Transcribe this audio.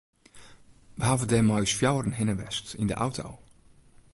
We hawwe dêr mei ús fjouweren hinne west yn de auto.